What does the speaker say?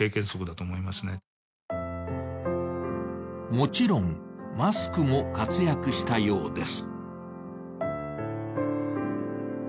もちろんマスクも活躍したようです。